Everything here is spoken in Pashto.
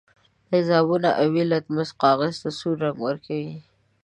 تیزابونه آبي لتمس کاغذ ته سور رنګ ورکوي.